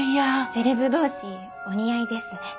セレブ同士お似合いですね。